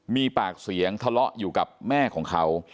มีปากเสียงทะเลาะอยู่กับแม่ของเขา